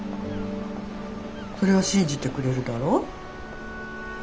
それは信じてくれるだろ？